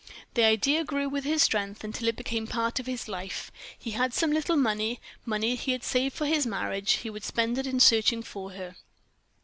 The idea grew with his strength, until it became part of his life. He had some little money money that he had saved for his marriage; he would spend it in searching for her.